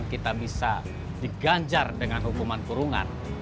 kita bisa diganjar dengan hukuman kurungan